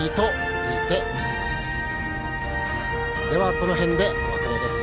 この辺でお別れです。